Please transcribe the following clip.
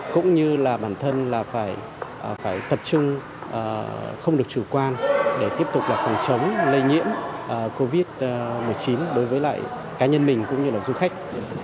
cũng như là bản thân là phải tập trung không được chủ quan để tiếp tục là phòng chống lây nhiễm covid một mươi chín đối với lại cá nhân mình cũng như là du khách